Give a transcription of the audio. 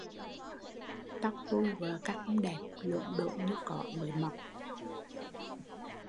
Tóc tui vợ cắt không đẹp, lổm đổm như cỏ mới mọc